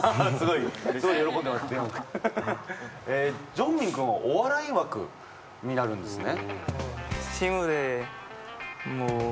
ジョンミン君はお笑い枠になるんですね？